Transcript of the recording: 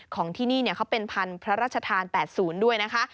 ของที่นี่เขาเป็นพันธุ์พระราชทาน๘๐ด้วยนะคะ